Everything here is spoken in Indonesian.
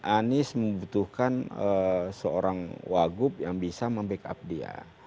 anies membutuhkan seorang wagub yang bisa membackup dia